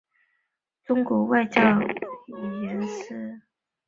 中国外语教育研究中心是首批命名的国家级重点文科研究基地。